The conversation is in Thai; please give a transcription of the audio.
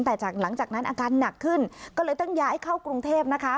แต่จากหลังจากนั้นอาการหนักขึ้นก็เลยต้องย้ายเข้ากรุงเทพนะคะ